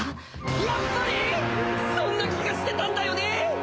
笋辰僂襠そんな気がしてたんだよね！